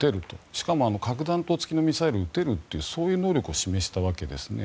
しかも核弾頭付きのミサイルを撃てるというそういう能力を示したわけですね。